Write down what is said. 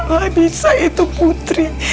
gak bisa itu putri